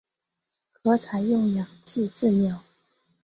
可采用氧气治疗。